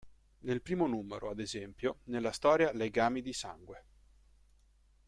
Nel primo numero, ad esempio, nella storia "Legami di sangue!